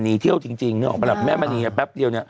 น่ะหนีเที่ยวจริงจริงแล้วออกมาแม่มะนีปั๊บเดียว